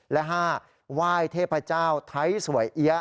และ๕ไหว้เทพเจ้าไทยสวยเอี๊ยะ